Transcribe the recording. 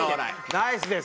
ナイスです